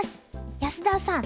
安田さん